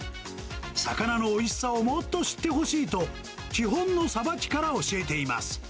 魚のおいしさをもっと知ってほしいと、基本のさばきから教えています。